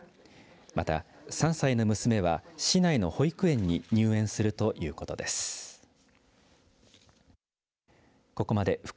また、３歳の娘は市内の保育園に入園するということです。